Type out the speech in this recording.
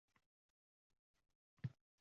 Yoshlar huquqlarini himoya qilish kerak